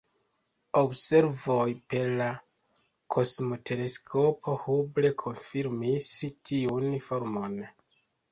Observoj per la kosmoteleskopo Hubble konfirmis tiun formon.